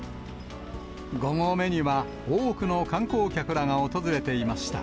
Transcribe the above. ５合目には多くの観光客らが訪れていました。